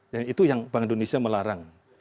dan itu yang bank indonesia melarang